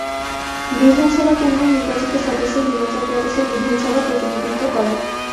বিধানসভা কেন্দ্রের নির্বাচিত সদস্য হিমাচল প্রদেশের বিধানসভা প্রতিনিধিত্ব করে।